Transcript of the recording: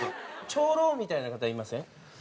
長老みたいな方いません？